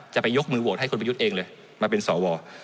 จะอยุขมือโวตของคุณประยุทธ์เองมาเป็นสอวร